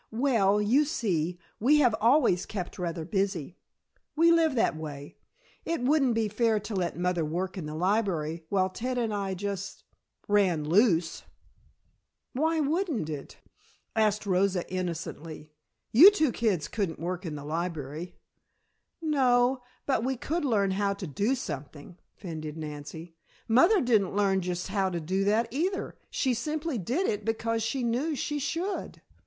"Well, you see, we have always kept rather busy. We live that way. It wouldn't be fair to let mother work in the library while Ted and I just ran loose " "Why wouldn't it?" asked Rosa innocently. "You two kids couldn't work in a library." "No, but we could learn how to do something," fended Nancy. "Mother didn't learn just how to do that either, she simply did it because she knew she should."